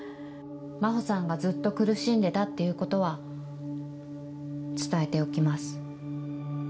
真帆さんがずっと苦しんでたっていうことは伝えておきます。